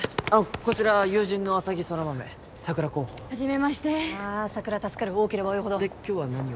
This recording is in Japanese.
こちら友人の浅葱空豆サクラ候補初めましてサクラ助かる多ければ多いほどで今日は何を？